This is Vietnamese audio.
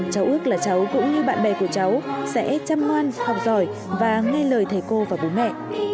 cháu ước là cháu cũng như bạn bè của cháu sẽ chăm ngoan học giỏi và nghe lời thầy cô và bố mẹ